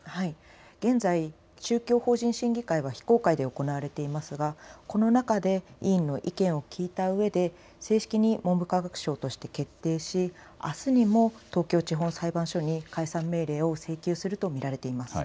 現在、宗教法人審議会は非公開で行われていますがこの中で委員の意見を聴いたうえで正式に文部科学省として決定しあすにも東京地方裁判所に解散命令を請求すると見られています。